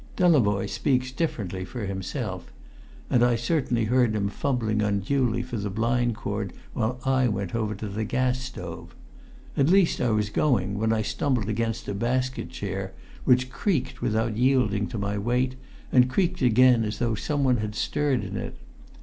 Delavoye speaks differently for himself; and I certainly heard him fumbling unduly for the blind cord while I went over to the gas stove. At least I was going when I stumbled against a basket chair, which creaked without yielding to my weight, and creaked again as though some one had stirred in it.